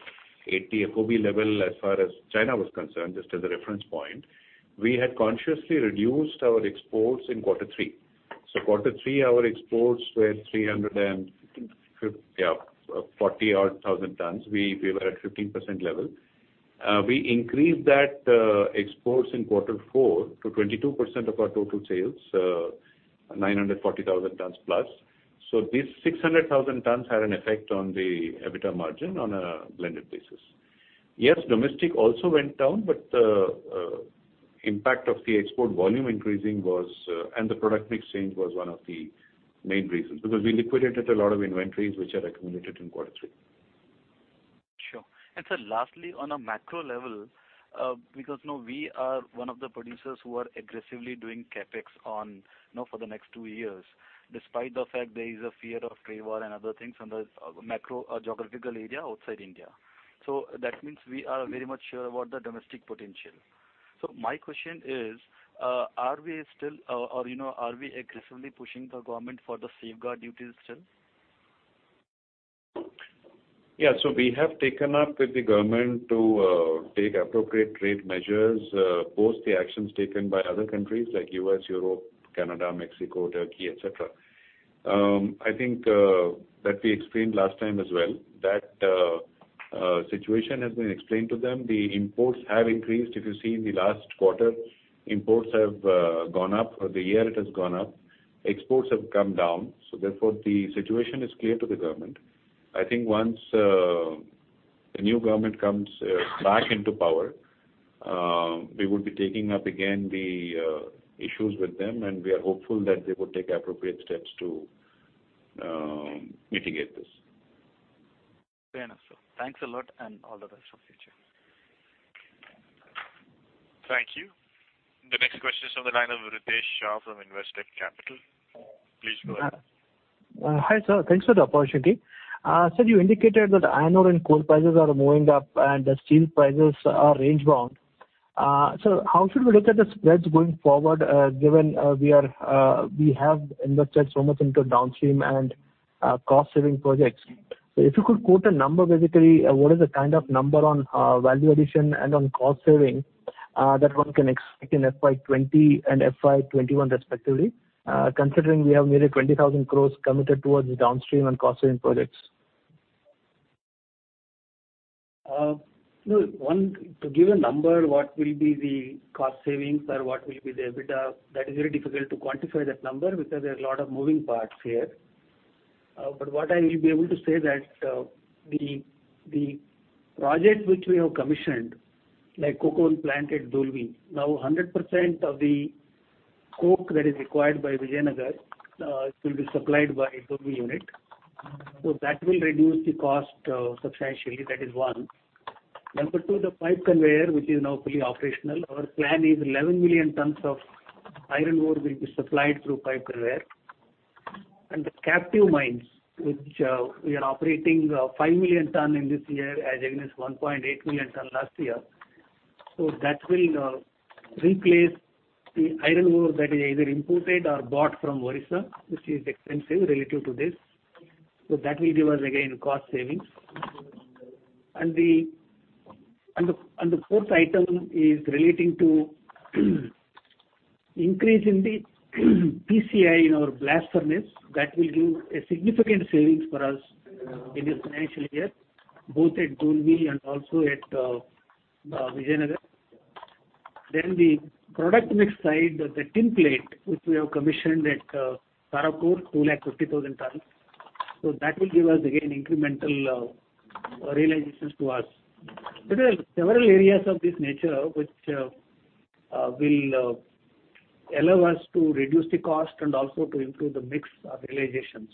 FOB level as far as China was concerned, just as a reference point. We had consciously reduced our exports in quarter three. Quarter three, our exports were 340,000 tons. We were at 15% level. We increased that exports in quarter four to 22% of our total sales, 940,000 tons plus. These 600,000 tons had an effect on the EBITDA margin on a blended basis. Yes, domestic also went down, but the impact of the export volume increasing and the product mix change was one of the main reasons because we liquidated a lot of inventories which had accumulated in quarter three. Sure. Sir, lastly, on a macro level, because we are one of the producers who are aggressively doing CapEx for the next two years, despite the fact there is a fear of travel and other things in the geographical area outside India. That means we are very much sure about the domestic potential. My question is, are we still or are we aggressively pushing the government for the safeguard duties still? Yeah. We have taken up with the government to take appropriate trade measures, both the actions taken by other countries like the U.S., Europe, Canada, Mexico, Turkey, etc. I think that we explained last time as well. That situation has been explained to them. The imports have increased. If you see in the last quarter, imports have gone up. The year it has gone up. Exports have come down. Therefore, the situation is clear to the government. I think once the new government comes back into power, we would be taking up again the issues with them, and we are hopeful that they would take appropriate steps to mitigate this. Fair enough, sir. Thanks a lot and all the best for the future. Thank you. The next question is from the line of Ritesh Shah from Investec Capital. Please go ahead. Hi, sir. Thanks for the opportunity. Sir, you indicated that iron ore and coal prices are moving up and the steel prices are range-bound. Sir, how should we look at the spreads going forward given we have invested so much into downstream and cost-saving projects? If you could quote a number, basically, what is the kind of number on value addition and on cost-saving that one can expect in FY 2020 and FY 2021 respectively, considering we have nearly 20,000 crores committed towards downstream and cost-saving projects? One to give you a number, what will be the cost savings or what will be the EBITDA, that is very difficult to quantify that number because there are a lot of moving parts here. What I will be able to say is that the project which we have commissioned, like coke oven plant at Dolvi, now 100% of the coke that is required by Vijayanagar will be supplied by Dolvi unit. That will reduce the cost substantially. That is one. Number two, the pipe conveyor, which is now fully operational. Our plan is 11 million tons of iron ore will be supplied through pipe conveyor. The captive mines, which we are operating, 5 million tons in this year as against 1.8 million tons last year. That will replace the iron ore that is either imported or bought from Odisha, which is expensive relative to this. That will give us, again, cost savings. The fourth item is relating to increase in the PCI in our blast furnace. That will give a significant savings for us in this financial year, both at Dolvi and also at Vijayanagar. On the product mix side, the tin plate, which we have commissioned at Vasind, 250,000 tons. That will give us, again, incremental realizations to us. There are several areas of this nature which will allow us to reduce the cost and also to improve the mix of realizations.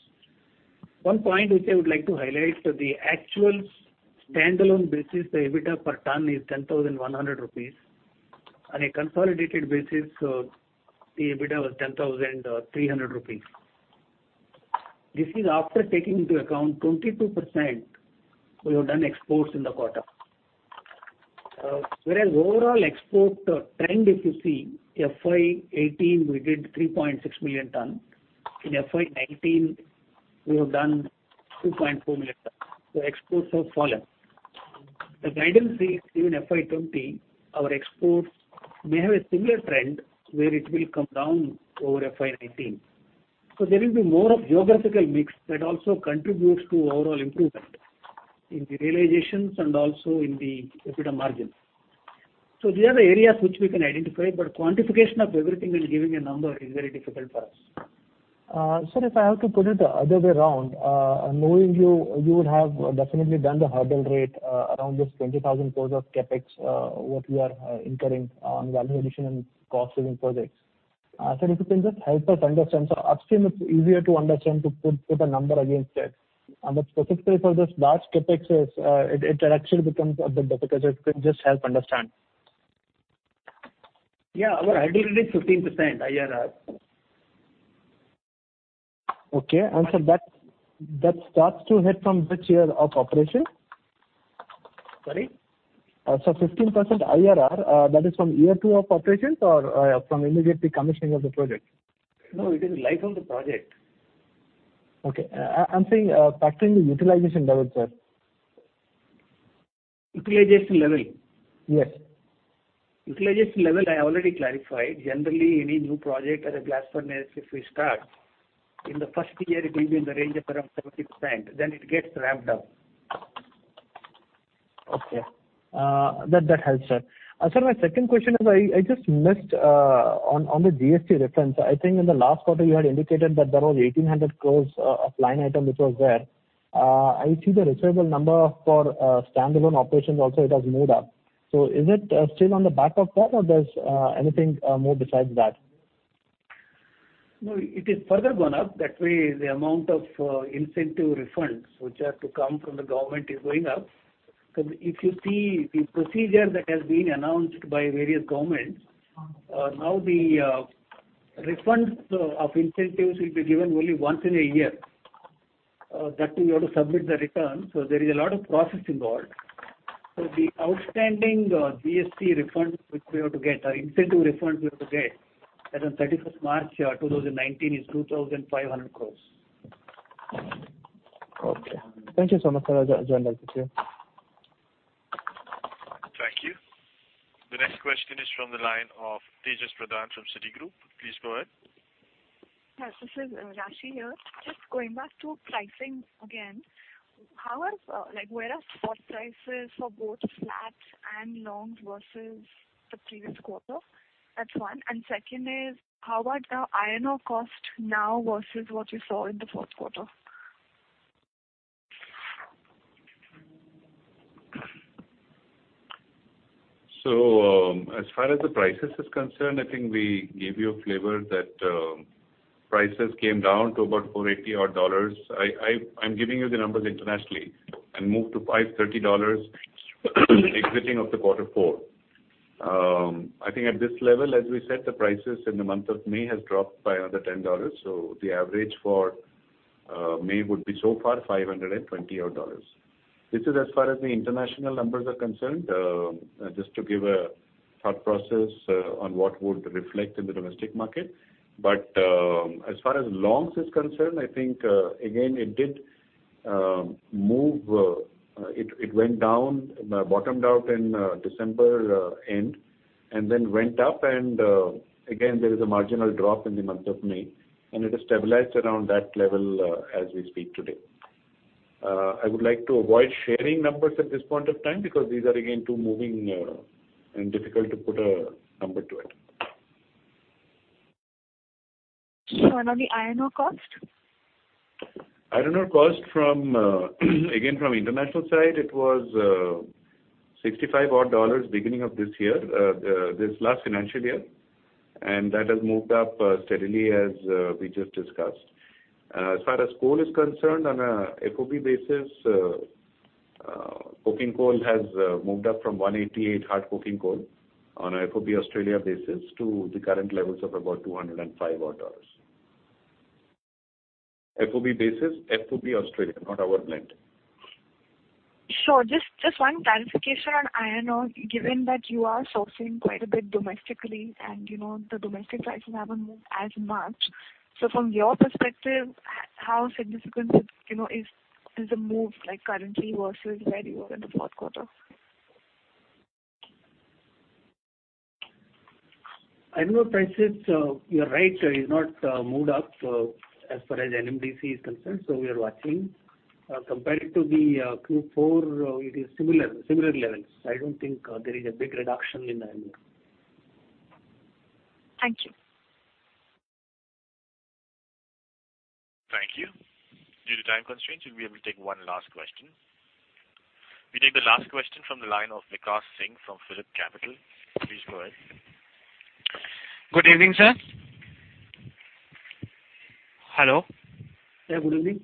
One point which I would like to highlight, the actual standalone basis, the EBITDA per ton is 10,100 rupees. On a consolidated basis, the EBITDA was 10,300 rupees. This is after taking into account 22% we have done exports in the quarter. Whereas overall export trend, if you see, FY 2018, we did 3.6 million ton. In FY 2019, we have done 2.4 million ton. Exports have fallen. The guidance is, even FY 2020, our exports may have a similar trend where it will come down over FY 2019. There will be more of geographical mix that also contributes to overall improvement in the realizations and also in the EBITDA margin. These are the areas which we can identify, but quantification of everything and giving a number is very difficult for us. Sir, if I have to put it the other way around, knowing you, you would have definitely done the hurdle rate around this 20,000 crore of CapEx, what we are incurring on value addition and cost-saving projects. Sir, if you can just help us understand. Upstream, it's easier to understand to put a number against it. Specifically for this large CapEx, it actually becomes a bit difficult. If you can just help understand. Yeah. Our hurdle rate is 15% IRR. Okay. Sir, that starts to hit from which year of operation? Sorry? So 15% IRR, that is from year two of operations or from immediate commissioning of the project? No, it is life of the project. Okay. I'm saying factoring the utilization level, sir. Utilization level? Yes. Utilization level, I already clarified. Generally, any new project or a blast furnace, if we start, in the first year, it will be in the range of around 70%. Then it gets ramped up. Okay. That helps, sir. Sir, my second question is, I just missed on the GST reference. I think in the last quarter, you had indicated that there was 1,800 crore of line item which was there. I see the receivable number for standalone operations also, it has moved up. Is it still on the back of that, or is there anything more besides that? No, it is further gone up. That way, the amount of incentive refunds which are to come from the government is going up. Because if you see the procedure that has been announced by various governments, now the refund of incentives will be given only once in a year. That way, we have to submit the return. There is a lot of process involved. The outstanding GST refund which we have to get, our incentive refund we have to get as of 31 March 2019 is 2,500 crore. Okay. Thank you so much, sir. I joined later too. Thank you. The next question is from the line of Raashi Chopra from Citigroup. Please go ahead. Yes, this is Raashi. Just going back to pricing again, where are spot prices for both flat and long versus the previous quarter? That's one. Second is, how about the iron ore cost now versus what you saw in the fourth quarter? As far as the prices are concerned, I think we gave you a flavor that prices came down to about $480. I'm giving you the numbers internationally. And moved to $530 exiting quarter four. I think at this level, as we said, the prices in the month of May have dropped by another $10. The average for May would be so far $520. This is as far as the international numbers are concerned, just to give a thought process on what would reflect in the domestic market. As far as longs are concerned, I think, again, it did move. It went down, bottomed out in December end, and then went up. Again, there is a marginal drop in the month of May, and it has stabilized around that level as we speak today. I would like to avoid sharing numbers at this point of time because these are, again, too moving and difficult to put a number to it. Sir, and on the iron ore cost? Iron ore cost, again, from international side, it was $65 beginning of this year, this last financial year. That has moved up steadily as we just discussed. As far as coal is concerned, on an FOB basis, coking coal has moved up from 188 hard coking coal on an FOB Australia basis to the current levels of about $205. FOB basis, FOB Australia, not our blend. Sure. Just one clarification on iron ore. Given that you are sourcing quite a bit domestically and the domestic prices have not moved as much, from your perspective, how significant is the move currently versus where you were in the fourth quarter? Iron ore prices, you're right, has not moved up as far as NMDC is concerned. We are watching. Compared to the Q4, it is similar levels. I don't think there is a big reduction in iron ore. Thank you. Thank you. Due to time constraints, we'll be able to take one last question. We take the last question from the line of Jayant Acharya from Phillip Capital. Please go ahead. Good evening, sir. Hello? Yeah. Good evening.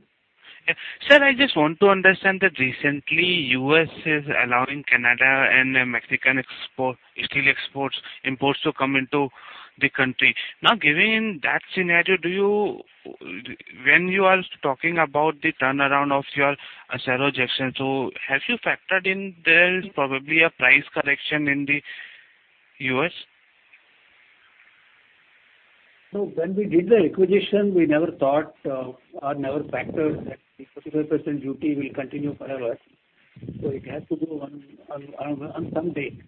Sir, I just want to understand that recently, U.S. is allowing Canada and Mexican steel imports to come into the country. Now, given that scenario, when you are talking about the turnaround of your Acero Junction, have you factored in there probably a price correction in the U.S.? No. When we did the acquisition, we never thought or never factored that the 45% duty will continue forever. It has to go on some date.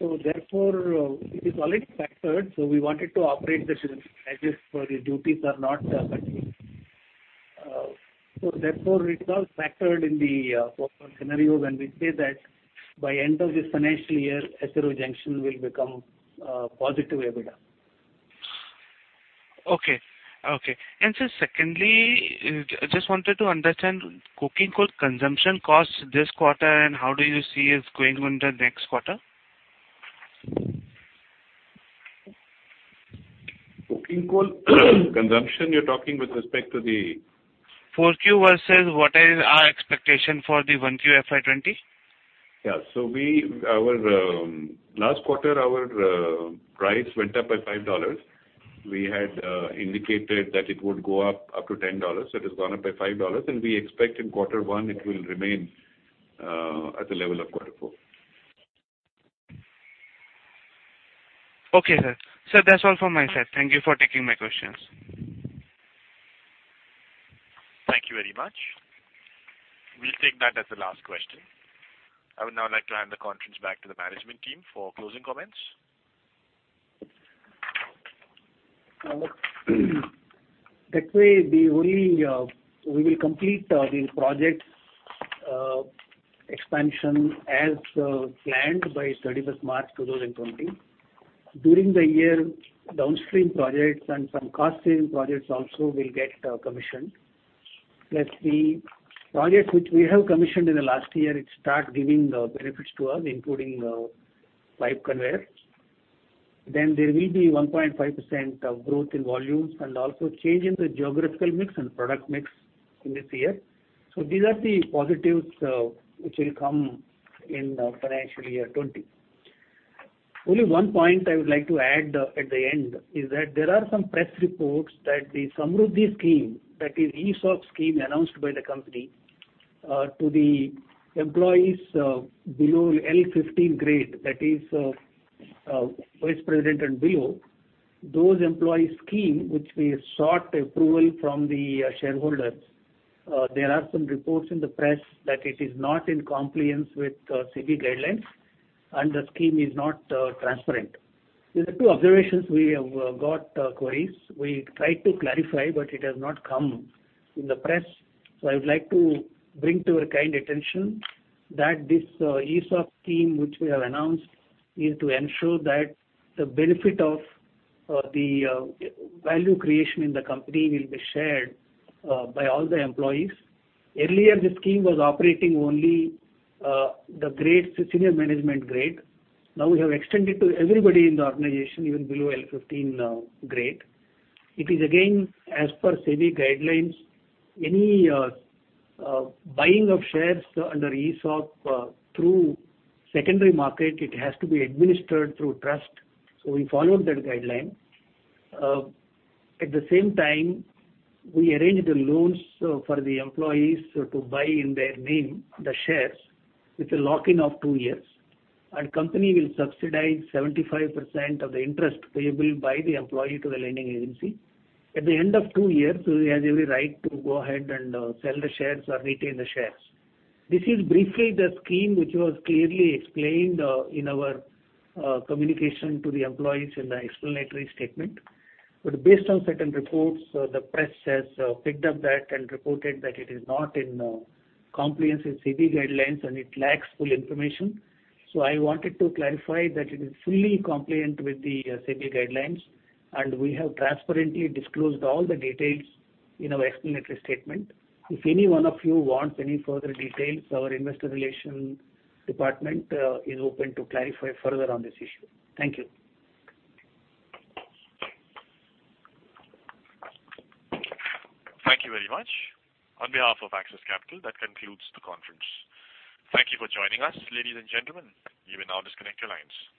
It is already factored. We wanted to operate the shipment as if the duties are not continuing. It is all factored in the scenario when we say that by end of this financial year, Acero Junction will become positive EBITDA. Okay. Okay. Sir, secondly, I just wanted to understand coking coal consumption costs this quarter, and how do you see it's going in the next quarter? Coking coal consumption, you're talking with respect to the. 4Q versus what are our expectations for the 1Q FY 2020? Yeah. Our last quarter, our price went up by $5. We had indicated that it would go up to $10. It has gone up by $5. We expect in quarter one, it will remain at the level of quarter four. Okay, sir. Sir, that's all from my side. Thank you for taking my questions. Thank you very much. We'll take that as the last question. I would now like to hand the conference back to the management team for closing comments. That way, we will complete the project expansion as planned by 31 March 2020. During the year, downstream projects and some cost-saving projects also will get commissioned. Let's see. Projects which we have commissioned in the last year, it started giving benefits to us, including pipe conveyor. There will be 1.5% growth in volumes and also change in the geographical mix and product mix in this year. These are the positives which will come in financial year 2020. Only one point I would like to add at the end is that there are some press reports that the Samruddhi scheme, that is ESOP scheme announced by the company to the employees below L15 grade, that is Vice President and below, those employee scheme which we sought approval from the shareholders, there are some reports in the press that it is not in compliance with SEBI guidelines and the scheme is not transparent. There are two observations we have got queries. We tried to clarify, but it has not come in the press. I would like to bring to your kind attention that this ESOP scheme which we have announced is to ensure that the benefit of the value creation in the company will be shared by all the employees. Earlier, the scheme was operating only the senior management grade. Now, we have extended to everybody in the organization, even below L15 grade. It is, again, as per SEBI guidelines, any buying of shares under ESOP through secondary market, it has to be administered through trust. We followed that guideline. At the same time, we arranged the loans for the employees to buy in their name, the shares, with a lock-in of two years. Our company will subsidize 75% of the interest payable by the employee to the lending agency. At the end of two years, he has every right to go ahead and sell the shares or retain the shares. This is briefly the scheme which was clearly explained in our communication to the employees in the explanatory statement. Based on certain reports, the press has picked up that and reported that it is not in compliance with SEBI guidelines and it lacks full information. I wanted to clarify that it is fully compliant with the SEBI guidelines, and we have transparently disclosed all the details in our explanatory statement. If any one of you wants any further details, our investor relation department is open to clarify further on this issue. Thank you. Thank you very much. On behalf of Axis Capital, that concludes the conference. Thank you for joining us, ladies and gentlemen. You may now disconnect your lines.